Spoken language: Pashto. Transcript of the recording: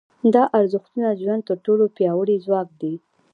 دا ارزښتونه د ژوند تر ټولو پیاوړي ځواک دي.